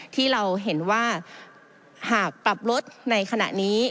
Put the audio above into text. ที่เราเห็นว่าหากปรับลดในขณะนี้